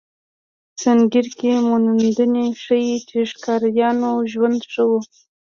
سنګیر کې موندنې ښيي، چې د ښکاریانو ژوند ښه و.